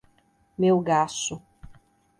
Melgaço